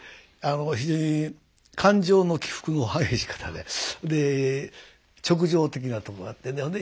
非常に感情の起伏の激しい方でで直情的なとこがあってね